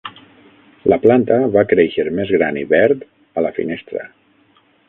La planta va créixer més gran i verd a la finestra.